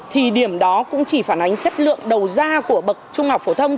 thì điểm đó cũng chỉ phản ánh chất lượng đầu tiên